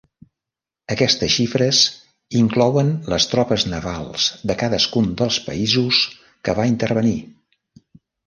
Aquestes xifres inclouen les tropes navals de cadascun dels països que va intervenir.